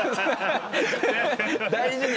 大事に。